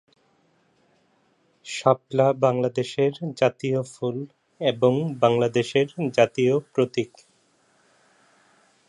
শাপলা বাংলাদেশের জাতীয় ফুল এবং বাংলাদেশের জাতীয় প্রতীক।